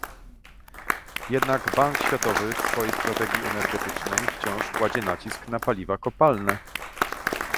Jednak Bank Światowy w swojej strategii energetycznej wciąż kładzie nacisk na paliwa kopalne